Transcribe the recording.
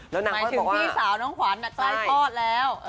หมายถึงพี่สาวน้องขวัญใกล้คลอดแล้ว